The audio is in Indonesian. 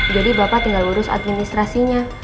jadi bapak tinggal urus administrasinya